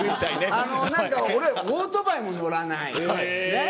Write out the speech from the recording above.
なんか俺、オートバイも乗らない、ねっ？